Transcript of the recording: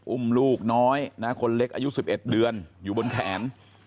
อุ้มลูกน้อยนะคนเล็กอายุ๑๑เดือนอยู่บนแขน